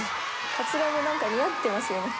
「カツラもなんか似合ってますよね」